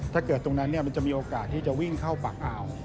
ตรงนั้นมันจะมีโอกาสที่จะวิ่งเข้าปากอ่าว